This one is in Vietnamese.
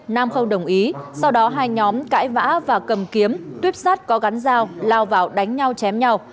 nam không đồng ý sau đó hai nhóm cãi vã và cầm kiếm tuyếp sắt có gắn dao lao vào đánh nhau chém nhau